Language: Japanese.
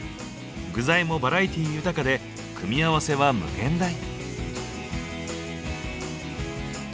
具材もバラエティー豊かで組み合わせは無限大。